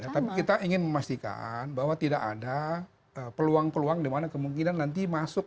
tapi kita ingin memastikan bahwa tidak ada peluang peluang di mana kemungkinan nanti masuk